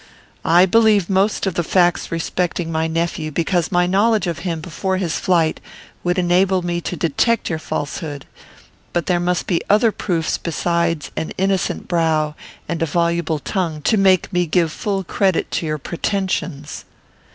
I believe most of the facts respecting my nephew, because my knowledge of him before his flight would enable me to detect your falsehood; but there must be other proofs besides an innocent brow and a voluble tongue, to make me give full credit to your pretensions.